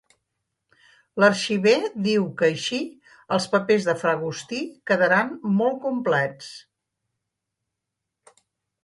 L'arxiver diu que així els papers de fra Agustí quedaran molt complets.